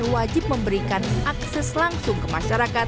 wajib memberikan akses langsung ke masyarakat